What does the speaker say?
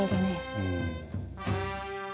うん。